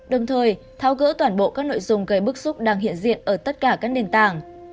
đồng thời tháo gỡ toàn bộ các nội dung gây bức xúc đang hiện diện ở tất cả các nền tảng